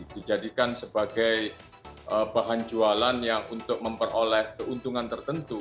dijadikan sebagai bahan jualan yang untuk memperoleh keuntungan tertentu